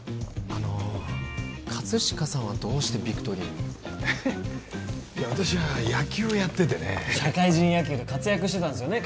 あの葛飾さんはどうしてビクトリーに私は野球をやっててね社会人野球で活躍してたんですよね